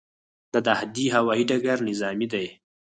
د دهدادي هوايي ډګر نظامي دی